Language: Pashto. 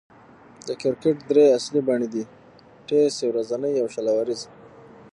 د کرکټ درې اصلي بڼې دي: ټېسټ، يو ورځنۍ، او شل اووريز.